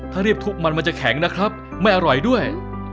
ถ้าเรียบทุกข์มันมันจะแข็งนะครับไม่อร่อยด้วย